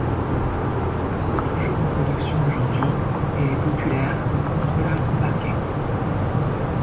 La puce est toujours en production aujourd'hui, et est populaire comme contrôleur embarqué.